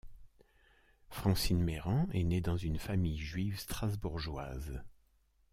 Francine Mayran est née dans une famille juive strasbourgeoise.